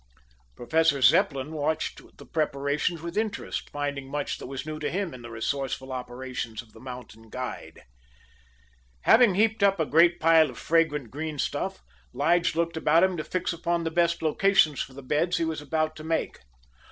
Professor Zepplin watched the preparations with interest, finding much that was new to him in the resourceful operations of the mountain guide. Having heaped up a great pile of fragrant green stuff, Lige looked about him to fix upon the best locations for the beds he was about to make.